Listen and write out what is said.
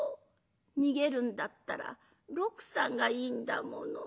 逃げるんだったら六さんがいいんだもの。